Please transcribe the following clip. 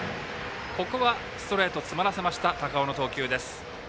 ここはストレート詰まらせました高尾の投球です。